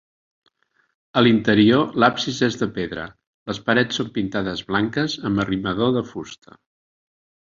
A l'interior l'absis és de pedra, les parets són pintades blanques amb arrimador de fusta.